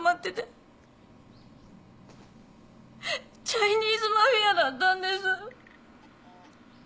チャイニーズマフィアだったんです。